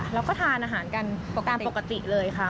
แล้วก็ทานอาหารกันตามปกติเลยค่ะ